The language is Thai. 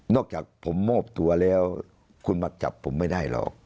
นอกจากผมมบตัวแล้วคุณมัฒจับครัวไม่ได้หรอก